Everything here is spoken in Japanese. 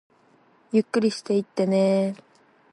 ゆっくりしていってねー